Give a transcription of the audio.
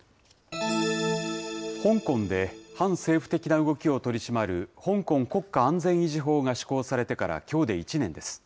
香港で反政府的な動きを取り締まる、香港国家安全維持法が施行されてからきょうで１年です。